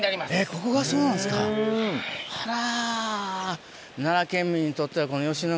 ここがそうなんですかあら。